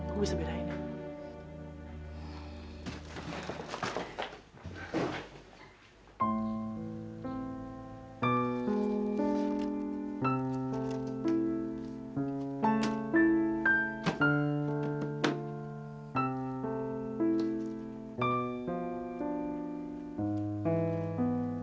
aku bisa bedain